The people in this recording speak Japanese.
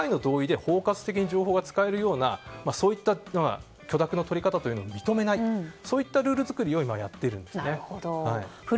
１回の同意で包括的に情報が使えるような許諾の取り方を認めないそういったルール作りをやっているんです。